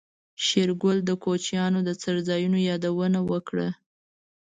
شېرګل د کوچيانو د څړځايونو يادونه وکړه.